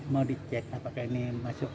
mau dicek apakah ini masuk